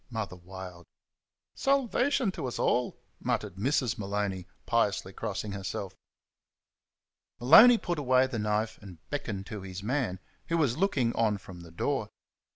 Mother wailed. "Salvation to 's all!" muttered Mrs. Maloney, piously crossing herself. Maloney put away the knife and beckoned to his man, who was looking on from the door.